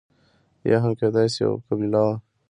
یا هم کېدای شي یوه قبیله وي.